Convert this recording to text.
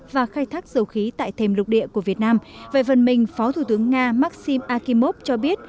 và khai thác dầu khí tại thềm lục địa của việt nam về phần mình phó thủ tướng nga maxim akimov cho biết